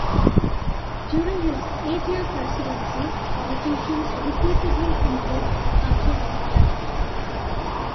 During his eight-year Presidency, politicians repeatedly invoked the culture of life.